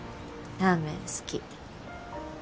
ラーメン好き。